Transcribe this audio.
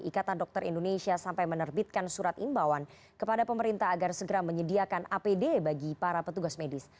ikatan dokter indonesia sampai menerbitkan surat imbauan kepada pemerintah agar segera menyediakan apd bagi para petugas medis